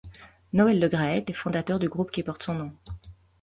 Noël Le Graët est fondateur du groupe qui porte son nom.